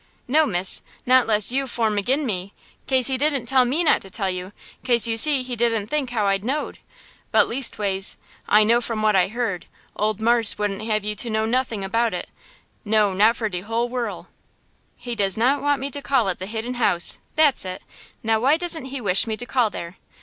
"No, miss, not 'less you 'form ag'in me, 'case he didn't tell me not to tell you, 'case you see he didn't think how I knowed! But, leastways, I know from what I heard, ole marse wouldn't have you to know nothin' about it, no not for de whole worl'." "He does not want me to call at the Hidden House! That's it! Now why doesn't he wish me to call there?